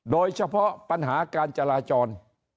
โดยเฉพาะปัญหาการจราจร